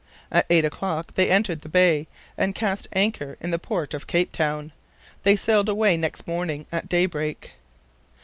At eight o'clock they entered the bay, and cast anchor in the port of Cape Town. They sailed away next morning at daybreak.